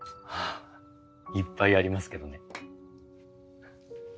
いっぱいありますけどね。